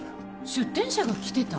出店者が来てた？